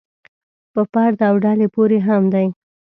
په فرد او ډلې پورې هم دی.